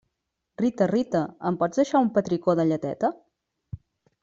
Rita, Rita, em pots deixar un petricó de lleteta?